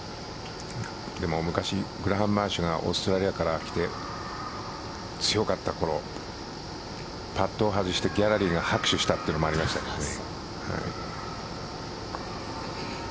昔、グラハム・マーシュがオーストラリアから来て強かったころパットを外してギャラリーが拍手したというのもありましたね。